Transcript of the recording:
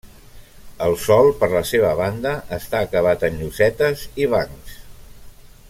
El sòl per la seva banda està acabat en llosetes i bancs.